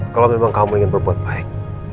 kalau memang kamu ingin berbuat baik